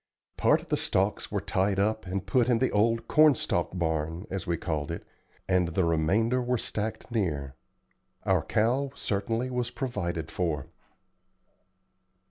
Part of the stalks were tied up and put in the old "corn stalk barn," as we called it, and the remainder were stacked near. Our cow certainly was provided for.